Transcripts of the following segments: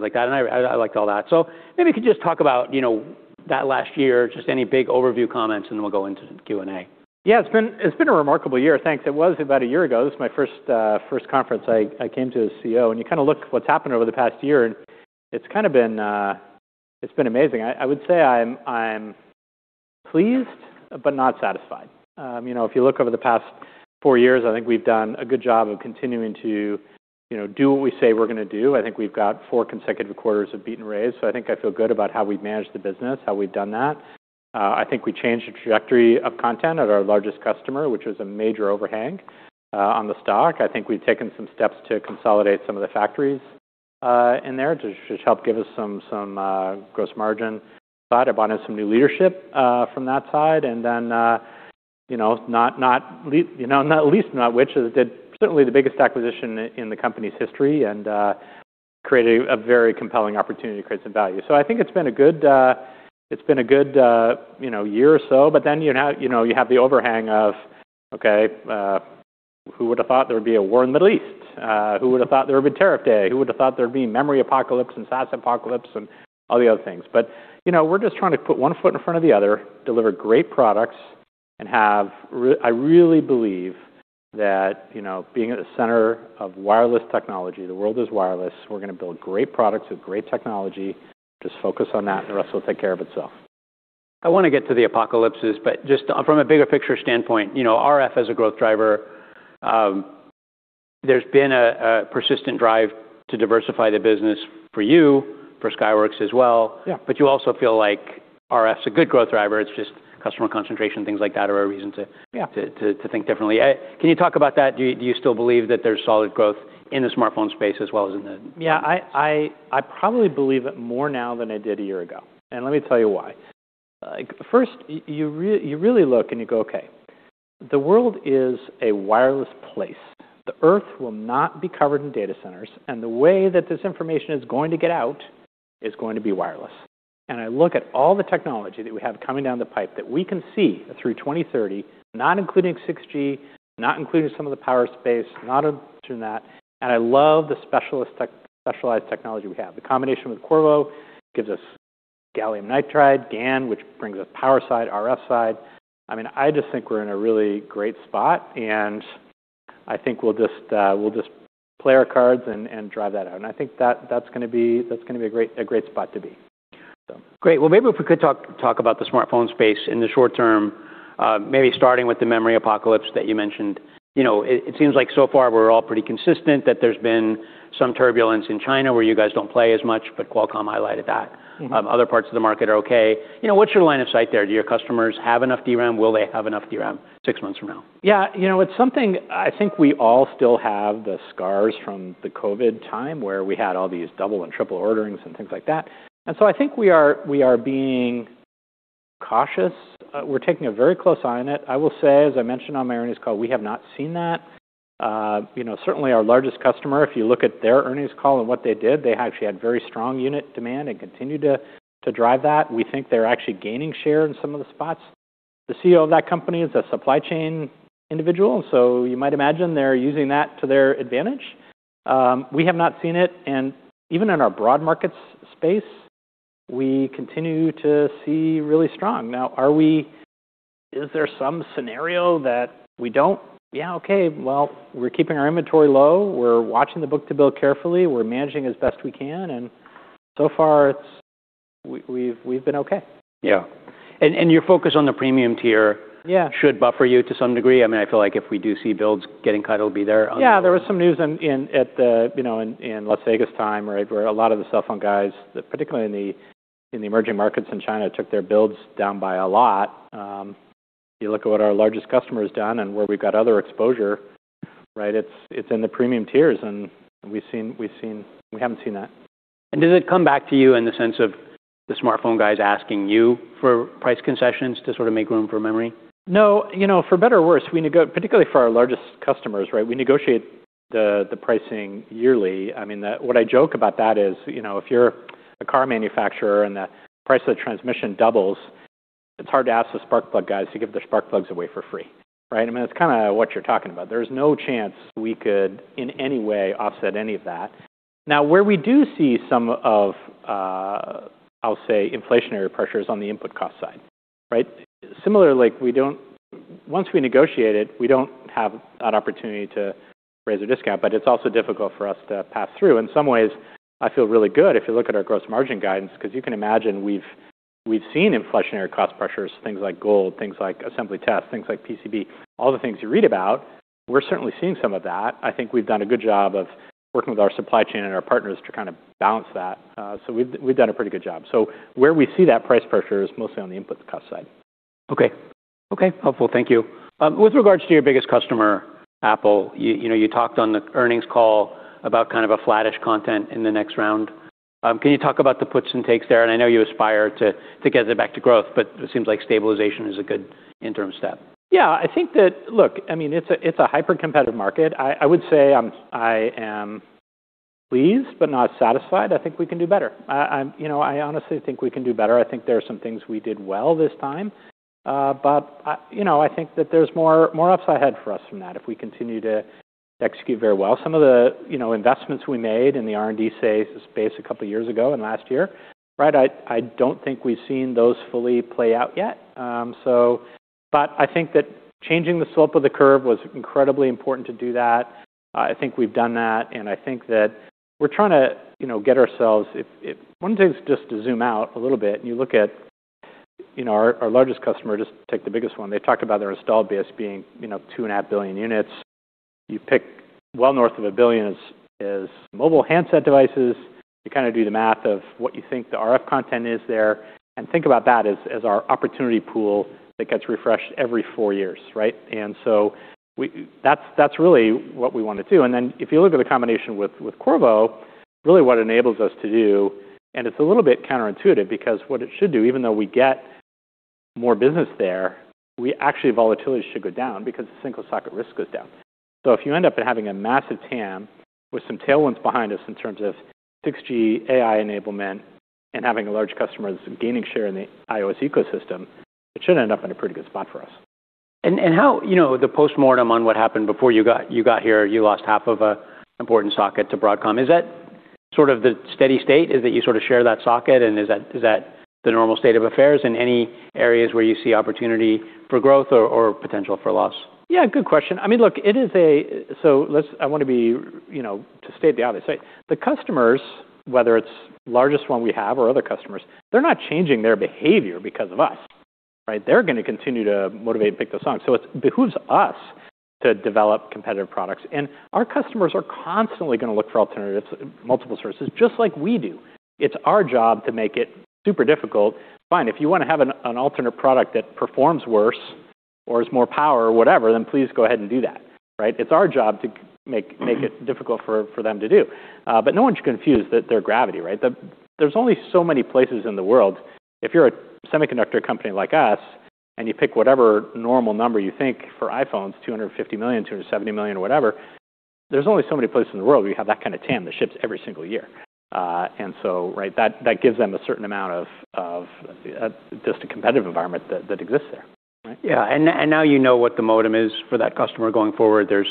Like that, I liked all that. Maybe you could just talk about, you know, that last year, just any big overview comments, and then we'll go into Q&A. Yeah, it's been a remarkable year. Thanks. It was about a year ago. This is my first conference I came to as CEO. You kinda look what's happened over the past year, and it's kinda been amazing. I would say I'm pleased but not satisfied. You know, if you look over the past four years, I think we've done a good job of continuing to, you know, do what we say we're gonna do. I think we've got four consecutive quarters of beaten raise. I think I feel good about how we've managed the business, how we've done that. I think we changed the trajectory of content at our largest customer, which was a major overhang on the stock. n some steps to consolidate some of the factories in there to help give us some gross margin. I brought in some new leadership from that side. Then, you know, not least, not which did certainly the biggest acquisition in the company's history and created a very compelling opportunity to create some value. I think it's been a good, it's been a good, you know, year or so. But then you have, you know, you have the overhang of, okay, who would have thought there would be a war in the Middle East? Who would have thought there would be tariff day? Who would have thought there'd be memory apocalypse and SaaS apocalypse and all the other things You know, we're just trying to put one foot in front of the other, deliver great products, and I really believe that, you know, being at the center of wireless technology, the world is wireless. We're gonna build great products with great technology. Just focus on that, and the rest will take care of itself. I wanna get to the apocalypses, but just from a bigger picture standpoint, you know, RF as a growth driver, there's been a persistent drive to diversify the business for you, for Skyworks as well. Yeah. You also feel like RF's a good growth driver. It's just customer concentration, things like that are a reason to- Yeah. To think differently. Can you talk about that? Do you still believe that there's solid growth in the smartphone space as well as in the? Yeah, I probably believe it more now than I did a year ago. Let me tell you why. Like, first, you really look and you go, okay, the world is a wireless place. The Earth will not be covered in data centers, and the way that this information is going to get out is going to be wireless. I look at all the technology that we have coming down the pipe that we can see through 2030, not including 6G, not including some of the power space, not including that, and I love the specialized technology we have. The combination with Qorvo gives us gallium nitride, GaN, which brings us power side, RF side. I mean, I just think we're in a really great spot, and I think we'll just, we'll just play our cards and drive that out. I think that's gonna be, that's gonna be a great, a great spot to be. Great. Well, maybe if we could talk about the smartphone space in the short term, maybe starting with the memory apocalypse that you mentioned. You know, it seems like so far we're all pretty consistent that there's been some turbulence in China where you guys don't play as much, Qualcomm highlighted that. Mm-hmm. Other parts of the market are okay. You know, what's your line of sight there? Do your customers have enough DRAM? Will they have enough DRAM 6 months from now? Yeah. You know, it's something I think we all still have the scars from the COVID time where we had all these double and triple orderings and things like that. I think we are being cautious. We're taking a very close eye on it. I will say, as I mentioned on my earnings call, we have not seen that. You know, certainly our largest customer, if you look at their earnings call and what they did, they actually had very strong unit demand and continued to drive that. We think they're actually gaining share in some of the spots. The CEO of that company is a supply chain individual, so you might imagine they're using that to their advantage. We have not seen it, and even in our broad markets space, we continue to see really strong. Is there some scenario that we don't? Yeah, okay. Well, we're keeping our inventory low. We're watching the book-to-bill carefully. We're managing as best we can, and so far we've been okay. Yeah. Your focus on the premium tier- Yeah. Should buffer you to some degree. I mean, I feel like if we do see builds getting cut, it'll be there on-. Yeah, there was some news in, at the, you know, in Las Vegas time, right, where a lot of the cell phone guys, particularly in the, in the emerging markets in China, took their builds down by a lot. If you look at what our largest customer's done and where we've got other exposure, right, it's in the premium tiers, and we've seen, we haven't seen that. Does it come back to you in the sense of the smartphone guys asking you for price concessions to sort of make room for memory? No. You know, for better or worse, particularly for our largest customers, right, we negotiate the pricing yearly. I mean, what I joke about that is, you know, if you're a car manufacturer and the price of the transmission doubles, it's hard to ask the spark plug guys to give their spark plugs away for free, right? I mean, that's kinda what you're talking about. There's no chance we could in any way offset any of that. Where we do see some of, I'll say inflationary pressures on the input cost side, right? Similarly, Once we negotiate it, we don't have that opportunity to raise a discount, but it's also difficult for us to pass through. In some ways, I feel really good if you look at our gross margin guidance because you can imagine we've seen inflationary cost pressures, things like gold, things like assembly tests, things like PCB, all the things you read about. We're certainly seeing some of that. I think we've done a good job of working with our supply chain and our partners to kind of balance that. So we've done a pretty good job. Where we see that price pressure is mostly on the input cost side. Okay. Okay. Helpful. Thank you. With regards to your biggest customer, Apple, you know, you talked on the earnings call about kind of a flattish content in the next round. Can you talk about the puts and takes there? I know you aspire to get it back to growth, but it seems like stabilization is a good interim step. Yeah. I think that... Look, I mean, it's a, it's a hyper-competitive market. I would say I'm, I am pleased but not satisfied. I think we can do better. I'm, you know, I honestly think we can do better. I think there are some things we did well this time, but, you know, I think that there's more, more upside ahead for us from that if we continue to execute very well. Some of the, you know, investments we made in the R&D space a couple of years ago and last year, right? I don't think we've seen those fully play out yet. I think that changing the slope of the curve was incredibly important to do that. I think we've done that, I think that we're trying to, you know, get ourselves. One thing is just to zoom out a little bit and you look at, you know, our largest customer, just take the biggest one. They've talked about their installed base being, you know, 2.5 billion units. You pick well north of 1 billion is mobile handset devices. You kinda do the math of what you think the RF content is there, and think about that as our opportunity pool that gets refreshed every 4 years, right? That's really what we wanna do. If you look at the combination with Qorvo, really what enables us to do, and it's a little bit counterintuitive because what it should do, even though we get more business there, we actually volatility should go down because the single-socket risk goes down. If you end up having a massive TAM with some tailwinds behind us in terms of 6G AI enablement and having a large customer that's gaining share in the iOS ecosystem, it should end up in a pretty good spot for us. How, you know, the postmortem on what happened before you got here, you lost half of a important socket to Broadcom. Is that sort of the steady state, is that you sorta share that socket? Is that the normal state of affairs in any areas where you see opportunity for growth or potential for loss? Yeah, good question. I mean, look, it is a. I wanna be, you know, to state the obvious, right? The customers, whether it's largest one we have or other customers, they're not changing their behavior because of us, right? They're gonna continue to motivate and pick those sockets. It behooves us to develop competitive products. Our customers are constantly gonna look for alternatives, multiple sources, just like we do. It's our job to make it super difficult. Fine, if you wanna have an alternate product that performs worse or is more power or whatever, then please go ahead and do that, right? It's our job to make it difficult for them to do. No one should confuse that they're gravity, right? There's only so many places in the world. If you're a semiconductor company like us, you pick whatever normal number you think for iPhones, $250 million, $270 million, whatever, there's only so many places in the world where you have that kind of TAM that ships every single year. Right? That gives them a certain amount of just a competitive environment that exists there. Yeah. Now you know what the modem is for that customer going forward. There's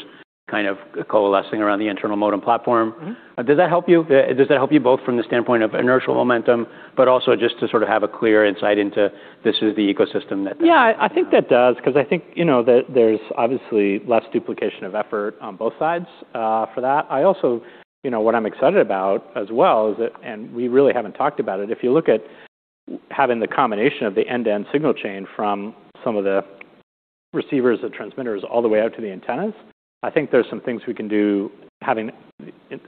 kind of a coalescing around the internal modem platform. Mm-hmm. Does that help you? Does that help you both from the standpoint of inertial momentum, but also just to sort of have a clear insight into this is the ecosystem. I think that does because I think, you know, that there's obviously less duplication of effort on both sides, for that. I also, you know, what I'm excited about as well is that, and we really haven't talked about it. If you look at having the combination of the end-to-end signal chain from some of the receivers and transmitters all the way out to the antennas, I think there's some things we can do having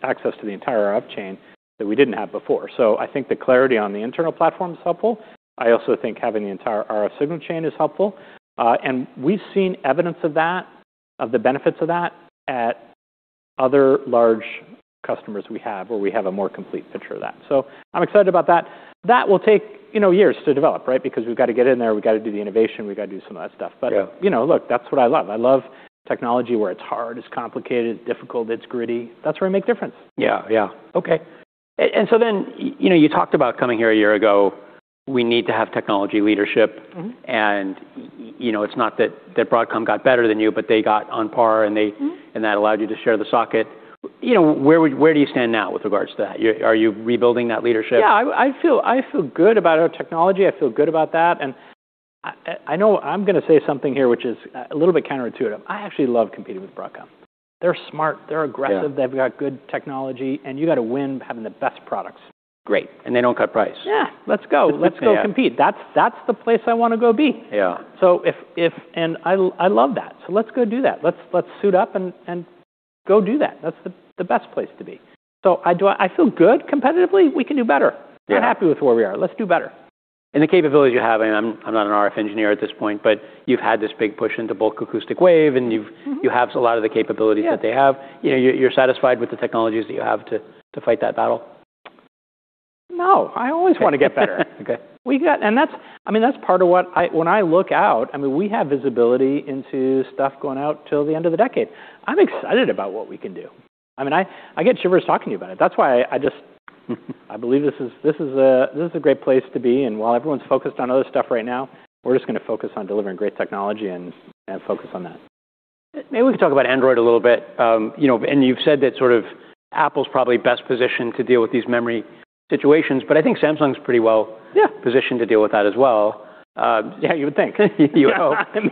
access to the entire RF chain that we didn't have before. I think the clarity on the internal platform is helpful. I also think having the entire RF signal chain is helpful. We've seen evidence of that, of the benefits of that at other large customers we have where we have a more complete picture of that. I'm excited about that. That will take, you know, years to develop, right? We've got to get in there, we got to do the innovation, we got to do some of that stuff. Yeah. you know, look, that's what I love. I love technology where it's hard, it's complicated, it's difficult, it's gritty. That's where I make difference. Yeah. Yeah. Okay. You know, you talked about coming here a year ago, we need to have technology leadership. Mm-hmm. You know, it's not that Broadcom got better than you, but they got on par. Mm-hmm. That allowed you to share the socket. You know, where do you stand now with regards to that? Are you rebuilding that leadership? Yeah. I feel good about our technology. I feel good about that. I know I'm gonna say something here which is a little bit counterintuitive. I actually love competing with Broadcom. They're smart, they're aggressive... Yeah. They've got good technology, and you gotta win having the best products. Great. They don't cut price. Yeah. Let's go. Let's go. Yeah. Let's go compete. That's the place I wanna go be. Yeah. I love that. Let's go do that. Let's suit up and go do that. That's the best place to be. I feel good competitively. We can do better. Yeah. I'm not happy with where we are. Let's do better. The capabilities you have, and I'm not an RF engineer at this point, but you've had this big push into Bulk Acoustic Wave, and you've-. Mm-hmm. You have a lot of the capabilities that they have. Yeah. You know, you're satisfied with the technologies that you have to fight that battle? No. I always wanna get better. Okay. I mean, that's part of When I look out, I mean, we have visibility into stuff going out till the end of the decade. I'm excited about what we can do. I mean, I get shivers talking to you about it. That's why I believe this is a great place to be. While everyone's focused on other stuff right now, we're just gonna focus on delivering great technology and focus on that. Maybe we can talk about Android a little bit. You know, you've said that sort of Apple's probably best positioned to deal with these memory situations, but I think Samsung's pretty. Yeah ...positioned to deal with that as well. Yeah, you would think. You hope. You would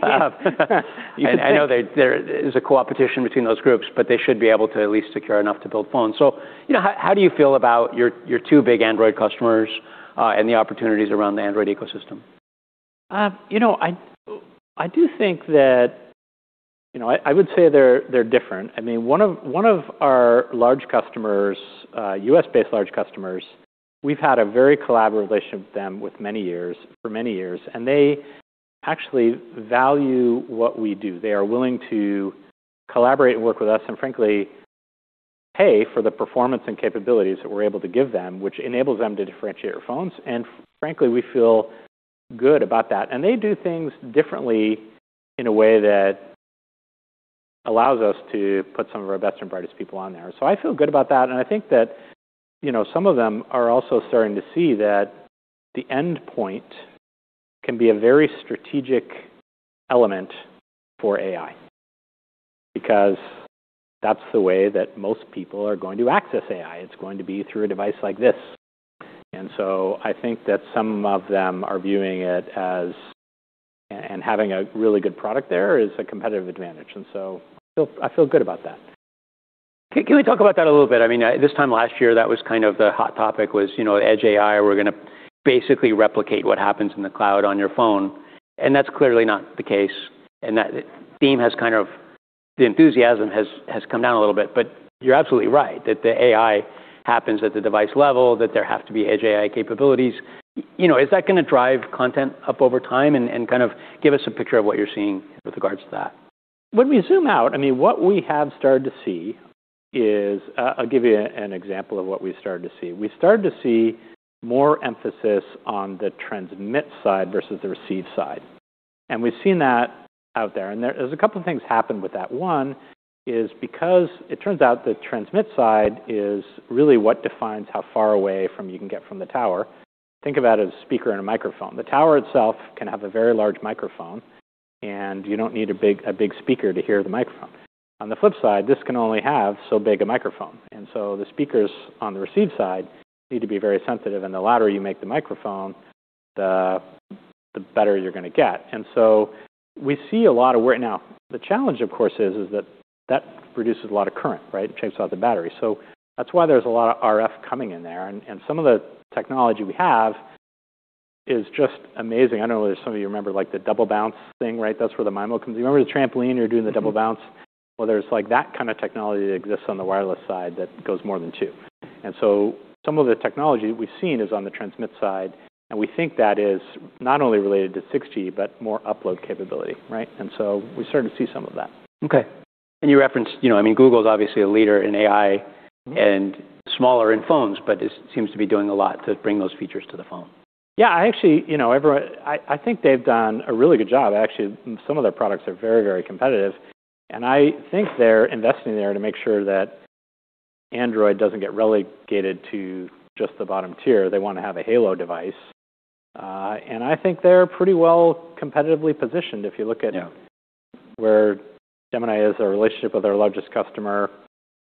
think. I know there is a co-op petition between those groups, they should be able to at least secure enough to build phones. you know, how do you feel about your two big Android customers, and the opportunities around the Android ecosystem? You know, I do think that. You know, I would say they're different. I mean, one of, one of our large customers, U.S.-based large customers, we've had a very collaborative relationship with them for many years, and they actually value what we do. They are willing to collaborate and work with us, and frankly, pay for the performance and capabilities that we're able to give them, which enables them to differentiate their phones. Frankly, we feel good about that. They do things differently in a way that allows us to put some of our best and brightest people on there. I feel good about that, and I think that, you know, some of them are also starting to see that the endpoint can be a very strategic element for AI because that's the way that most people are going to access AI. It's going to be through a device like this. I think that some of them are viewing it as... Having a really good product there is a competitive advantage. I feel good about that. Can we talk about that a little bit? I mean, this time last year, that was kind of the hot topic was, you know, Edge AI. We're gonna basically replicate what happens in the cloud on your phone, and that's clearly not the case. The enthusiasm has come down a little bit. You're absolutely right that the AI happens at the device level, that there have to be Edge AI capabilities. You know, is that gonna drive content up over time? Kind of give us a picture of what you're seeing with regards to that. When we zoom out, I mean, what we have started to see is. I'll give you an example of what we've started to see. We started to see more emphasis on the transmit side versus the receive side. We've seen that out there, and there's a couple things happened with that. One is because it turns out the transmit side is really what defines how far away from you can get from the tower. Think about a speaker and a microphone. The tower itself can have a very large microphone, and you don't need a big speaker to hear the microphone. On the flip side, this can only have so big a microphone, and so the speakers on the receive side need to be very sensitive. The louder you make the microphone, the better you're gonna get. We see a lot of work. Now, the challenge, of course, is that that produces a lot of current, right? It takes out the battery. That's why there's a lot of RF coming in there. Some of the technology we have is just amazing. I don't know whether some of you remember, like, the double bounce thing, right? That's where the MIMO comes in. You remember the trampoline, you're doing the double bounce? Mm-hmm. Well, there's like that kind of technology that exists on the wireless side that goes more than two. Some of the technology we've seen is on the transmit side, and we think that is not only related to 6G but more upload capability, right? We're starting to see some of that. Okay. you referenced, you know, I mean, Google's obviously a leader in AI. Mm-hmm... and smaller in phones, but it seems to be doing a lot to bring those features to the phone. Yeah. I actually, you know, I think they've done a really good job. Actually, some of their products are very competitive. I think they're investing there to make sure that Android doesn't get relegated to just the bottom tier. They wanna have a Halo device. I think they're pretty well competitively positioned if you look at. Yeah where Gemini is a relationship with their largest customer.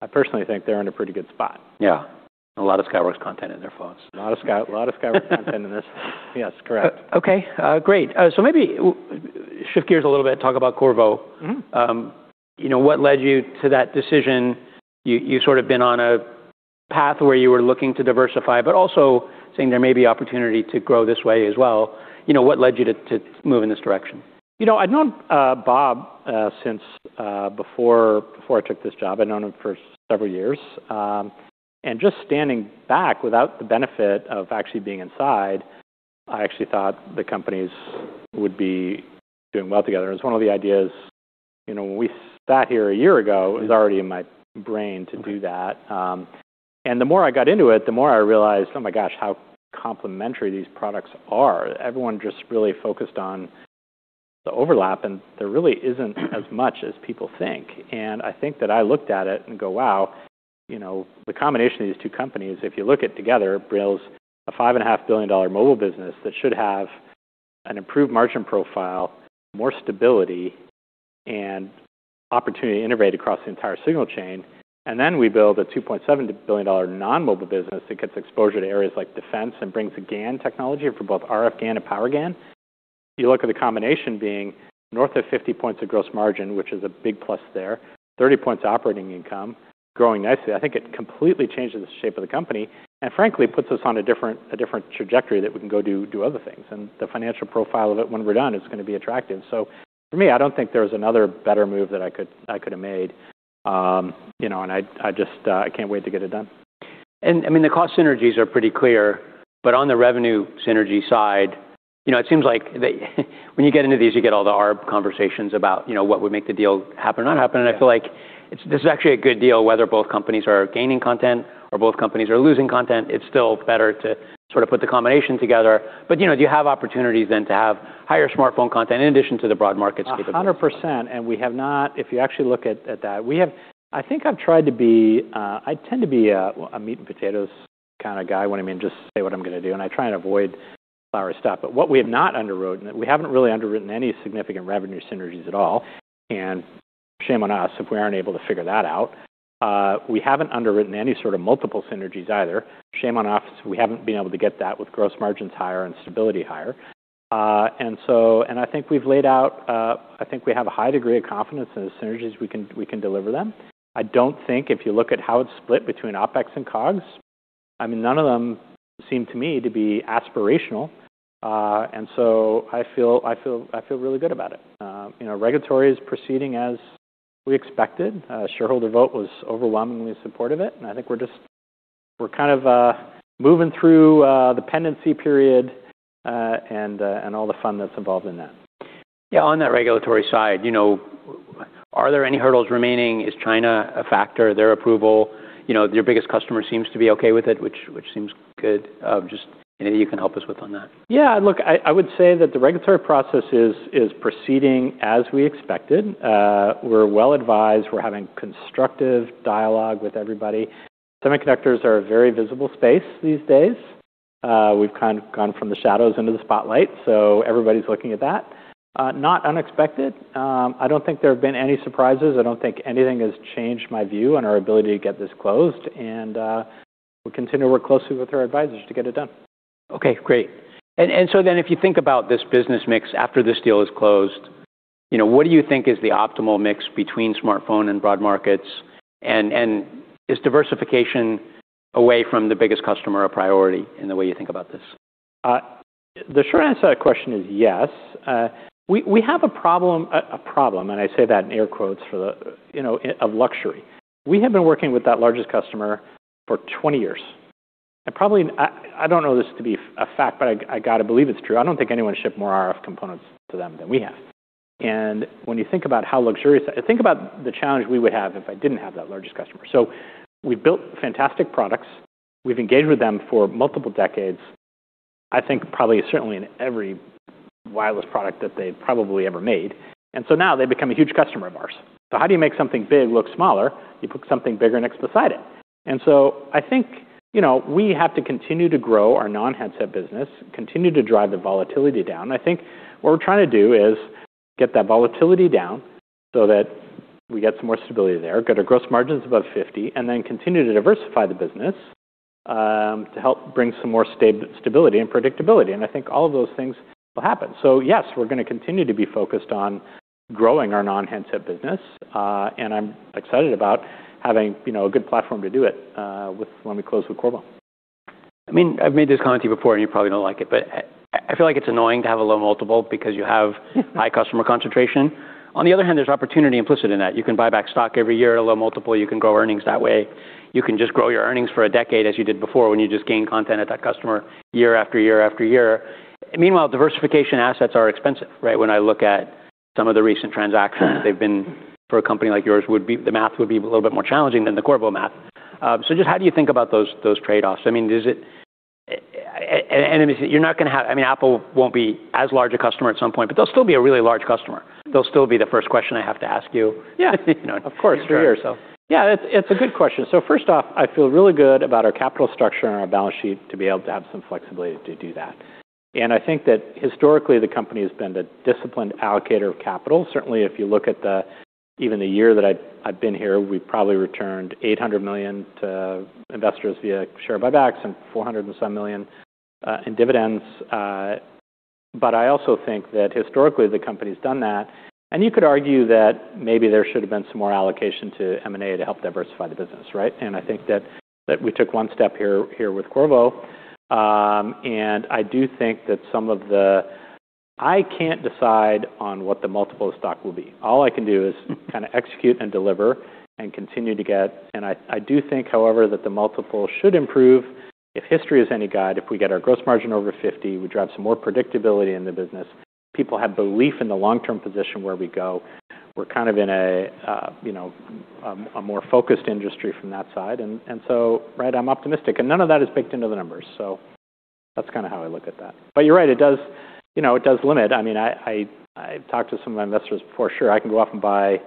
I personally think they're in a pretty good spot. Yeah. A lot of Skyworks content in their phones. A lot of Skyworks content in this. Yes, correct. Okay. Great. Maybe shift gears a little bit, talk about Qorvo. Mm-hmm. You know, what led you to that decision? You've sort of been on a path where you were looking to diversify but also saying there may be opportunity to grow this way as well. You know, what led you to move in this direction? You know, I'd known Bob since before I took this job. I'd known him for several years. Just standing back without the benefit of actually being inside, I actually thought the companies would be doing well together. It was one of the ideas. You know, when we sat here a year ago- Mm-hmm it was already in my brain to do that. and the more I got into it, the more I realized, oh my gosh, how complementary these products are. Everyone just really focused on the overlap, and there really isn't as much as people think. I think that I looked at it and go, "Wow, you know, the combination of these two companies, if you look at it together, builds a $5.5 billion mobile business that should have an improved margin profile, more stability, and opportunity to integrate across the entire signal chain." We build a $2.7 billion non-mobile business that gets exposure to areas like defense and brings the GaN technology for both RF GaN and Power GaN. You look at the combination being north of 50 points of gross margin, which is a big plus there, 30 points operating income, growing nicely. I think it completely changes the shape of the company and, frankly, puts us on a different trajectory that we can go do other things. The financial profile of it when we're done is gonna be attractive. For me, I don't think there's another better move that I could have made. You know, and I just I can't wait to get it done. I mean, the cost synergies are pretty clear, but on the revenue synergy side, you know, it seems like the when you get into these, you get all the arb conversations about, you know, what would make the deal happen or not happen. Yeah. This is actually a good deal whether both companies are gaining content or both companies are losing content. It's still better to sort of put the combination together. You know, do you have opportunities then to have higher smartphone content in addition to the broad markets capability? 100%. We have not. If you actually look at that, I think I've tried to be, I tend to be a meat and potatoes kinda guy when, I mean, just say what I'm gonna do, and I try and avoid flowery stuff. What we have not underwritten, we haven't really underwritten any significant revenue synergies at all, shame on us if we aren't able to figure that out. We haven't underwritten any sort of multiple synergies either. Shame on us if we haven't been able to get that with gross margins higher and stability higher. I think we've laid out. I think we have a high degree of confidence in the synergies, we can deliver them. I don't think if you look at how it's split between OpEx and COGS, I mean, none of them seem to me to be aspirational. I feel really good about it. You know, regulatory is proceeding as we expected. Shareholder vote was overwhelmingly supportive it, I think we're kind of moving through the pendency period, and all the fun that's involved in that. Yeah. On that regulatory side, you know, are there any hurdles remaining? Is China a factor? Is their approval? You know, your biggest customer seems to be okay with it, which seems good. Just anything you can help us with on that. Yeah, look, I would say that the regulatory process is proceeding as we expected. We're well advised. We're having constructive dialogue with everybody. Semiconductors are a very visible space these days. We've kind of gone from the shadows into the spotlight, so everybody's looking at that. Not unexpected. I don't think there have been any surprises. I don't think anything has changed my view on our ability to get this closed, and, we'll continue to work closely with our advisors to get it done. Okay, great. If you think about this business mix after this deal is closed, you know, what do you think is the optimal mix between smartphone and broad markets? Is diversification away from the biggest customer a priority in the way you think about this? The short answer to that question is yes. We have a problem, a problem, and I say that in air quotes for the, you know, of luxury. We have been working with that largest customer for 20 years. Probably, I don't know this to be a fact, but I gotta believe it's true. I don't think anyone shipped more RF components to them than we have. When you think about how luxurious that, think about the challenge we would have if I didn't have that largest customer. We've built fantastic products. We've engaged with them for multiple decades. I think probably certainly in every wireless product that they've probably ever made. Now they've become a huge customer of ours. How do you make something big look smaller? You put something bigger next beside it. I think, you know, we have to continue to grow our non-handset business, continue to drive the volatility down. I think what we're trying to do is get that volatility down so that we get some more stability there, get our gross margins above 50%, and then continue to diversify the business to help bring some more stability and predictability. I think all of those things will happen. Yes, we're gonna continue to be focused on growing our non-handset business, and I'm excited about having, you know, a good platform to do it with when we close with Qorvo. I mean, I've made this comment to you before, and you probably don't like it, but I feel like it's annoying to have a low multiple because you have high customer concentration. On the other hand, there's opportunity implicit in that. You can buy back stock every year at a low multiple. You can grow earnings that way. You can just grow your earnings for a decade as you did before when you just gained content at that customer year after year after year. Meanwhile, diversification assets are expensive, right? When I look at some of the recent transactions, they've been, for a company like yours, the math would be a little bit more challenging than the Qorvo math. Just how do you think about those trade-offs? I mean, is it... I mean, Apple won't be as large a customer at some point, but they'll still be a really large customer. They'll still be the first question I have to ask you. Yeah. You know. Of course. Year-to-year, so. Yeah, it's a good question. First off, I feel really good about our capital structure and our balance sheet to be able to have some flexibility to do that. I think that historically the company has been the disciplined allocator of capital. Certainly, if you look at the, even the year that I've been here, we've probably returned $800 million to investors via share buybacks and $400 and some million in dividends. I also think that historically the company's done that, and you could argue that maybe there should have been some more allocation to M&A to help diversify the business, right? I think that we took one step here with Qorvo. I do think that some of the, I can't decide on what the multiple stock will be. All I can do is kinda execute and deliver and continue to get... I do think, however, that the multiple should improve. If history is any guide, if we get our gross margin over 50, we drive some more predictability in the business. People have belief in the long-term position where we go. We're kind of in a, you know, a more focused industry from that side. Right, I'm optimistic. None of that is baked into the numbers. That's kinda how I look at that. You're right, it does, you know, it does limit. I mean, I, I talked to some of my investors before. Sure, I can go off and buy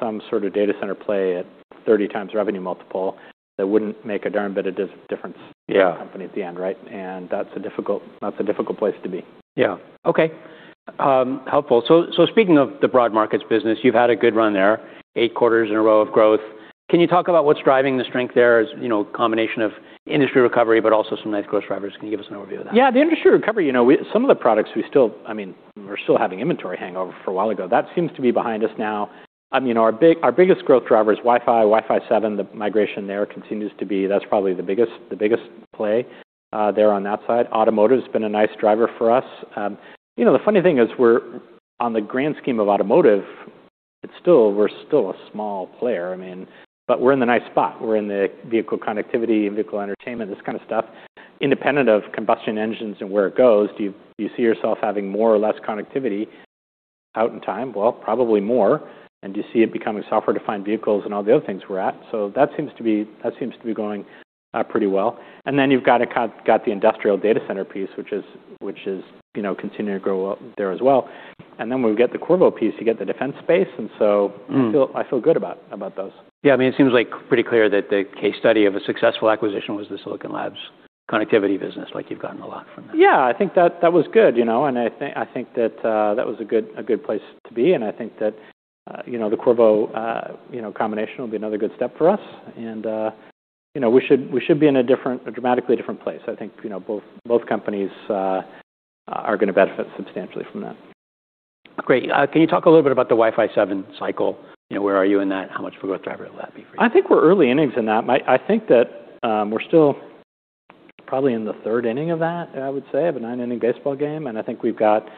some sort of data center play at 30xrevenue multiple that wouldn't make a darn bit of difference. Yeah. -to the company at the end, right? That's a difficult, that's a difficult place to be. Yeah. Okay. Helpful. Speaking of the broad markets business, you've had a good run there, eight quarters in a row of growth. Can you talk about what's driving the strength there as, you know, a combination of industry recovery but also some nice growth drivers? Can you give us an overview of that? Yeah. The industry recovery, you know, some of the products we still, I mean, we're still having inventory hangover from a while ago. That seems to be behind us now. I mean, our biggest growth driver is Wi-Fi 7. The migration there continues to be, that's probably the biggest play there on that side. Automotive's been a nice driver for us. You know, the funny thing is we're on the grand scheme of automotive, we're still a small player. I mean, we're in the nice spot. We're in the vehicle connectivity, vehicle entertainment, this kind of stuff. Independent of combustion engines and where it goes, do you see yourself having more or less connectivity out in time? Well, probably more. Do you see it becoming software-defined vehicles and all the other things we're at? That seems to be going pretty well. You've got to got the industrial data center piece, which is, you know, continuing to grow there as well. When we get the Qorvo piece, you get the defense space. Mm. I feel good about those. I mean, it seems like pretty clear that the case study of a successful acquisition was the Silicon Labs connectivity business. Like, you've gotten a lot from that. Yeah. I think that was good, you know. I think that was a good place to be. I think that, you know, the Qorvo, you know, combination will be another good step for us. You know, we should be in a dramatically different place. I think, you know, both companies are gonna benefit substantially from that. Great. Can you talk a little bit about the Wi-Fi 7 cycle? You know, where are you in that? How much of a growth driver will that be for you? I think we're early innings in that. I think that we're still probably in the third inning of that, I would say, of a nine-inning baseball game. I think we've got,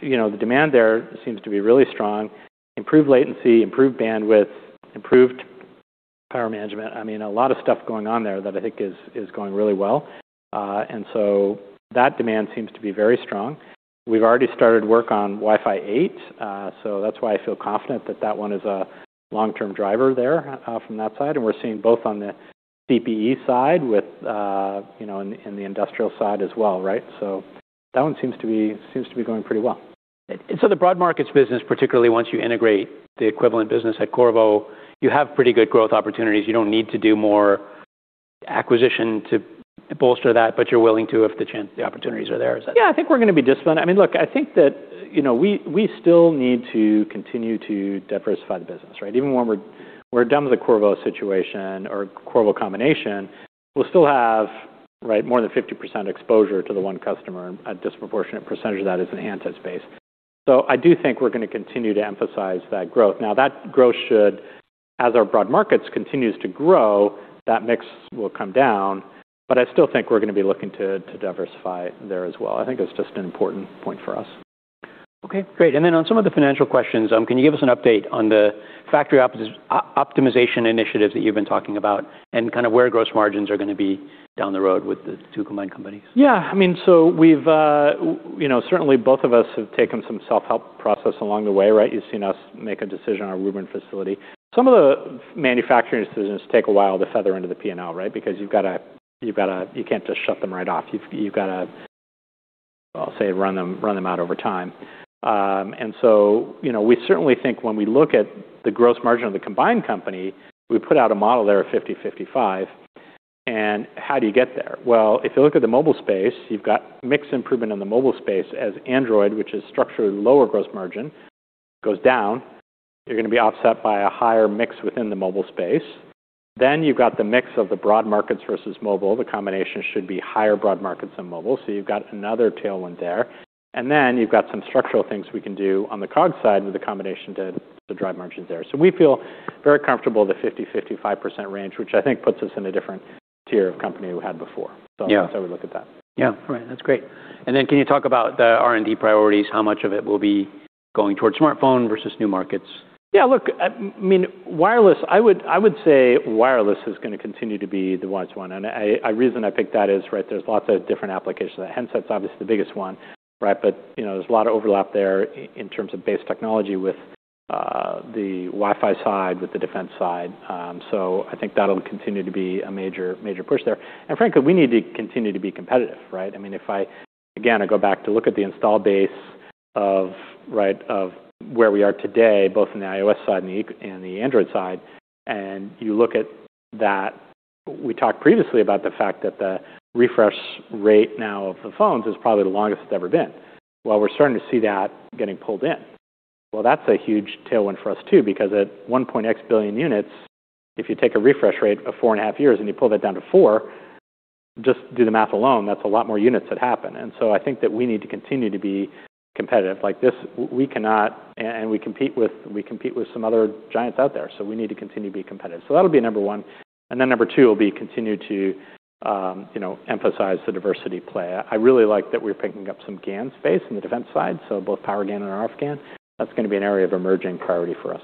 you know, the demand there seems to be really strong. Improved latency, improved bandwidth, improved Power management. I mean, a lot of stuff going on there that I think is going really well. That demand seems to be very strong. We've already started work on Wi-Fi 8, so that's why I feel confident that that one is a long-term driver there from that side. We're seeing both on the CPE side with, you know, in the industrial side as well, right? That one seems to be going pretty well. The broad markets business, particularly once you integrate the equivalent business at Qorvo, you have pretty good growth opportunities. You don't need to do more acquisition to bolster that, but you're willing to if the opportunities are there. Is that? I think we're gonna be disciplined. I mean, look, I think that, you know, we still need to continue to diversify the business, right? Even when we're done with the Qorvo situation or Qorvo combination, we'll still have, right, more than 50% exposure to the one customer. A disproportionate percentage of that is in the handset space. I do think we're gonna continue to emphasize that growth. That growth should, as our broad markets continues to grow, that mix will come down, I still think we're gonna be looking to diversify there as well. I think it's just an important point for us. Okay, great. On some of the financial questions, can you give us an update on the factory optimization initiatives that you've been talking about and kind of where gross margins are gonna be down the road with the two combined companies? Yeah, I mean, so we've, you know, certainly both of us have taken some self-help process along the way, right. You've seen us make a decision on our Woburn facility. Some of the manufacturing decisions take a while to feather into the P&L, right. Because you've gotta, you can't just shut them right off. You've gotta, I'll say, run them out over time. You know, we certainly think when we look at the gross margin of the combined company, we put out a model there of 50%, 55%, and how do you get there. Well, if you look at the mobile space, you've got mix improvement in the mobile space as Android, which is structured lower gross margin, goes down. You're gonna be offset by a higher mix within the mobile space. You've got the mix of the broad markets versus mobile. The combination should be higher broad markets than mobile, you've got another tailwind there. You've got some structural things we can do on the COGS side with the combination to drive margins there. We feel very comfortable in the 50%-55% range, which I think puts us in a different tier of company we had before. Yeah. That's how we look at that. Yeah. All right. That's great. Can you talk about the R&D priorities, how much of it will be going towards smartphone versus new markets? Yeah, look, I mean, wireless, I would say wireless is gonna continue to be the wise one. Reason I pick that is, right, there's lots of different applications. The handset's obviously the biggest one, right? You know, there's a lot of overlap there in terms of base technology with the Wi-Fi side, with the defense side. I think that'll continue to be a major push there. Frankly, we need to continue to be competitive, right? I mean, if I, again, I go back to look at the install base of, right, of where we are today, both in the iOS side and the Android side, and you look at that, we talked previously about the fact that the refresh rate now of the phones is probably the longest it's ever been. Well, we're starting to see that getting pulled in. Well, that's a huge tailwind for us too, because at one point x billion units, if you take a refresh rate of 4 and a half years and you pull that down to 4, just do the math alone, that's a lot more units that happen. I think that we need to continue to be competitive. We compete with some other giants out there, so we need to continue to be competitive. That'll be number one. Number two will be continue to, you know, emphasize the diversity play. I really like that we're picking up some GaN space in the defense side, so both Power GaN and RF GaN. That's gonna be an area of emerging priority for us.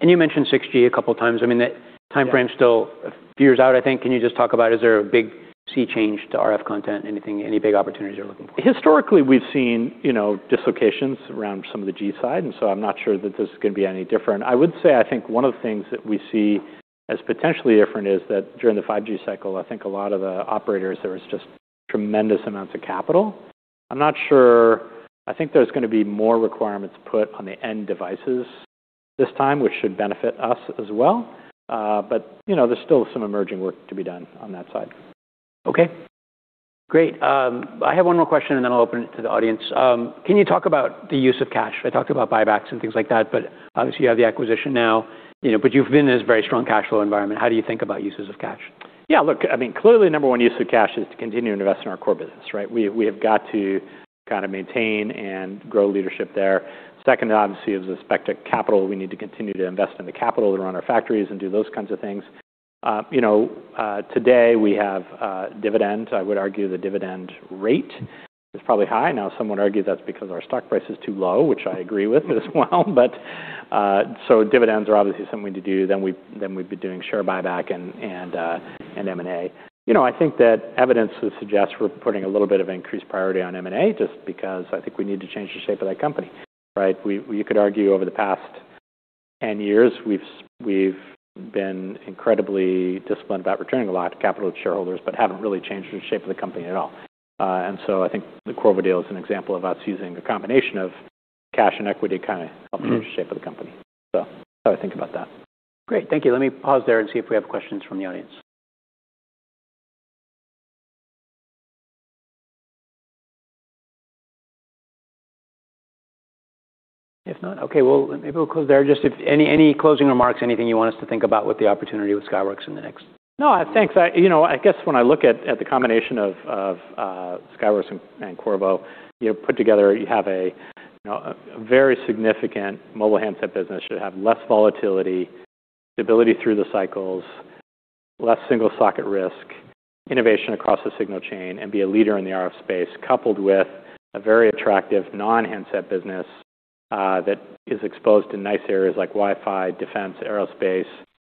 You mentioned 6G a couple times. I mean, that timeframe's still a few years out, I think. Can you just talk about is there a big sea change to RF content? Anything, any big opportunities you're looking for? Historically, we've seen, you know, dislocations around some of the G side. I'm not sure that this is gonna be any different. I would say I think one of the things that we see as potentially different is that during the 5G cycle, I think a lot of the operators, there was just tremendous amounts of capital. I think there's gonna be more requirements put on the end devices this time, which should benefit us as well. You know, there's still some emerging work to be done on that side. Okay. Great. I have one more question, and then I'll open it to the audience. Can you talk about the use of cash? I talked about buybacks and things like that, but obviously you have the acquisition now. You know, but you've been in this very strong cash flow environment. How do you think about uses of cash? Yeah. Look, I mean, clearly number one use of cash is to continue to invest in our core business, right? We have got to kinda maintain and grow leadership there. Second, obviously, is the aspect of capital. We need to continue to invest in the capital to run our factories and do those kinds of things. you know, today we have a dividend. I would argue the dividend rate is probably high. Now, some would argue that's because our stock price is too low, which I agree with as well. dividends are obviously something to do. We'd be doing share buyback and M&A. You know, I think that evidence would suggest we're putting a little bit of increased priority on M&A just because I think we need to change the shape of that company, right? We, you could argue over the past 10 years, we've been incredibly disciplined about returning a lot of capital to shareholders, but haven't really changed the shape of the company at all. I think the Qorvo deal is an example of us using a combination of cash and equity to kind of help change the shape of the company. That's how I think about that. Great. Thank you. Let me pause there and see if we have questions from the audience. If not, okay, well, maybe we'll close there. Just if any closing remarks, anything you want us to think about with the opportunity with Skyworks in the next- No. Thanks. I, you know, I guess when I look at the combination of Skyworks and Qorvo, you know, put together you have a, you know, a very significant mobile handset business. Should have less volatility, stability through the cycles, less single-socket risk, innovation across the signal chain, and be a leader in the RF space, coupled with a very attractive non-handset business that is exposed to nice areas like Wi-Fi, defense, aerospace,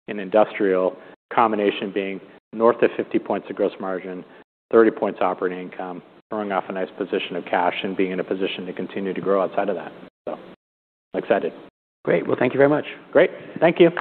and industrial. Combination being north of 50 points of gross margin, 30 points operating income, throwing off a nice position of cash, and being in a position to continue to grow outside of that. I'm excited. Great. Well, thank you very much. Great. Thank you.